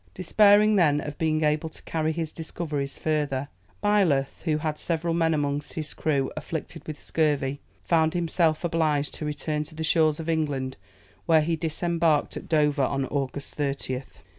Despairing then of being able to carry his discoveries further, Byleth, who had several men among his crew afflicted with scurvy, found himself obliged to return to the shores of England, where he disembarked at Dover, on August 30th.